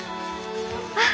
あっ！